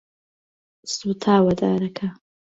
سوتاوە دارەکە.